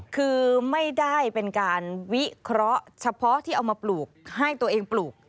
คือไม่ได้เป็นการวิเคราะห์เฉพาะที่เอามาปลูกให้ตัวเองปลูก